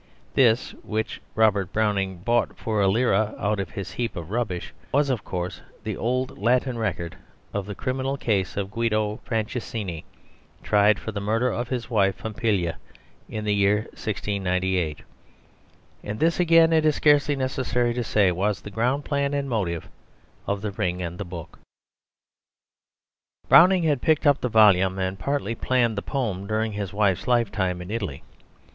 "This," which Browning bought for a lira out of this heap of rubbish, was, of course, the old Latin record of the criminal case of Guido Franceschini, tried for the murder of his wife Pompilia in the year 1698. And this again, it is scarcely necessary to say, was the ground plan and motive of The Ring and the Book. Browning had picked up the volume and partly planned the poem during his wife's lifetime in Italy.